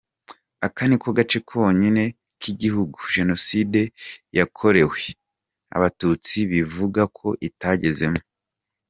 Aka ni ko gace konyine k'igihugu jenoside yakorewe abatutsi bivuga ko itagezemo.